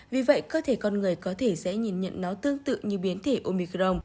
vì vậy cơ thể con người có thể sẽ nhìn nhận nó tương tự như biến thể omicron